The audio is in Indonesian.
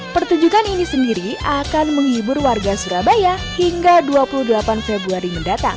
pertunjukan ini sendiri akan menghibur warga surabaya hingga dua puluh delapan februari mendatang